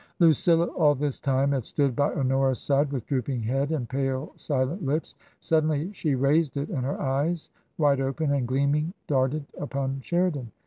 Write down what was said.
" Lucilla all this time had stood by Honora's side, with drooping head and pale, silent lips. Suddenly she raised it, and her eyes, wide open and gleaming, darted upon Sheridan.